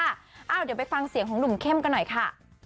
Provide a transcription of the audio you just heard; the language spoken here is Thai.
เดี๋ยวไปฟังเสียงของหนุ่มเข้มกันหน่อยค่ะ